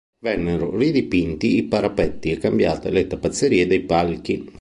Vennero ridipinti i parapetti e cambiate le tappezzerie dei palchi.